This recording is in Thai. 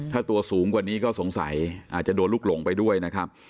ถ้าตัวสูงกว่านี้ก็สงสัยอาจจะโดนลูกหลงไปด้วยนะครับ